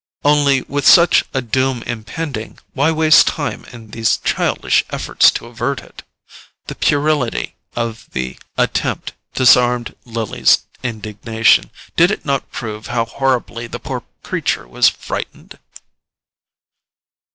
Only, with such a doom impending, why waste time in these childish efforts to avert it? The puerility of the attempt disarmed Lily's indignation: did it not prove how horribly the poor creature was frightened?